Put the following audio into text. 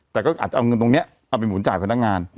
แต่ก็อาจจะเอาเงินตรงนี้เอาไปหมุนจ่ายพนักงาน